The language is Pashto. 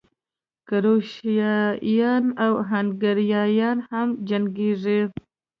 کروشیایان او هنګریایان هم جنګېږي.